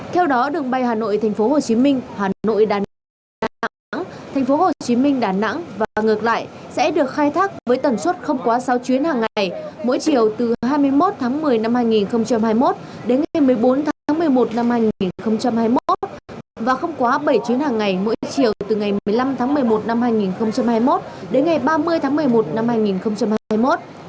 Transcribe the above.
theo đó đường bay hà nội tp hcm hà nội đà nẵng tp hcm đà nẵng và ngược lại sẽ được khai thác với tần suất không quá sáu chuyến hàng ngày mỗi chiều từ hai mươi một tháng một mươi năm hai nghìn hai mươi một đến ngày một mươi bốn tháng một mươi một năm hai nghìn hai mươi một và không quá bảy chuyến hàng ngày mỗi chiều từ ngày một mươi năm tháng một mươi một năm hai nghìn hai mươi một đến ngày ba mươi tháng một mươi một năm hai nghìn hai mươi một